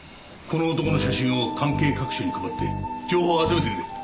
この男の写真を関係各所に配って情報を集めてくれ。